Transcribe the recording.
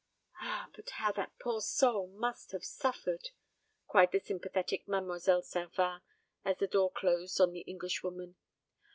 "Ah, but how that poor soul must have suffered!" cried the sympathetic Mademoiselle Servin, as the door closed on the Englishwoman.